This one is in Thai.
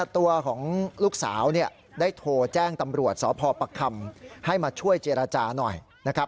ตัวของลูกสาวได้โทรแจ้งตำรวจสพปรักคำ